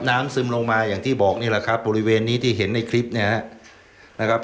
ซึมลงมาอย่างที่บอกนี่แหละครับบริเวณนี้ที่เห็นในคลิปเนี่ยนะครับ